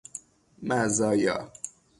مزایا